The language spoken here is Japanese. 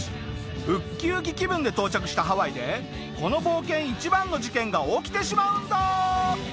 ウッキウキ気分で到着したハワイでこの冒険一番の事件が起きてしまうんだ！